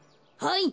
はい！